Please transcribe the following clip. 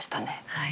はい。